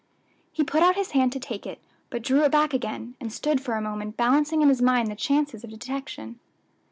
He put out his hand to take it, but drew it back again, and stood for a moment balancing in his mind the chances of detection.